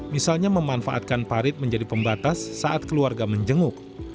misalnya memanfaatkan parit menjadi pembatas saat keluarga menjenguk